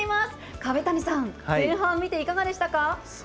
壁谷さん、前半を見ていかがでしたか？